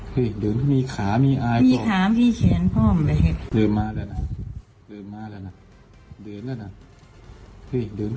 เฮ้ยเดินมีขามีอายบอก